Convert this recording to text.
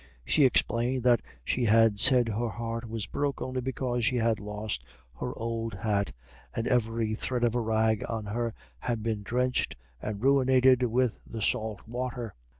She explained that she had said her heart was broke only "because she had lost her ould hat, and every thread of a rag on her had been dhrenched and ruinated with the salt water.